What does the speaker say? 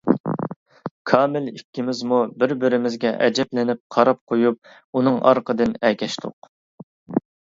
كامىل ئىككىمىزمۇ بىر-بىرىمىزگە ئەجەبلىنىپ قاراپ قويۇپ ئۇنىڭ ئارقىدىن ئەگەشتۇق.